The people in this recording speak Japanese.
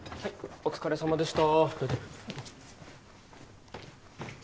お疲れさまでした。